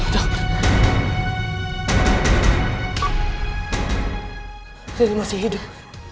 dari masih hidup